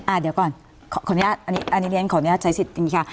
อ่ะเดี๋ยวก่อนขออนุญาตใช้สิทธิ์กันดีค่ะ